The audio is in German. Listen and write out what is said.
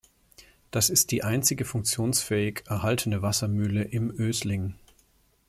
Das ist die einzige funktionsfähig erhaltene Wassermühle im Ösling.